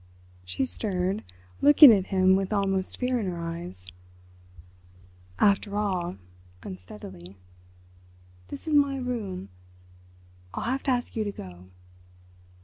She stirred, looking at him with almost fear in her eyes. "After all"—unsteadily—"this is my room; I'll have to ask you to go."